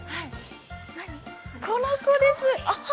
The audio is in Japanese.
この子です。